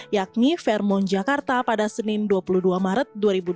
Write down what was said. yakni fairmont jakarta pada senin dua puluh dua maret dua ribu dua puluh